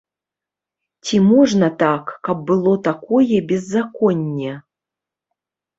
Ці можна так, каб было такое беззаконне?